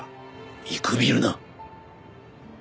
見くびるな！